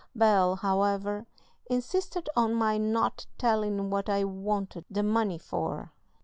Bel, however, insisted on my not telling what I wanted the money for.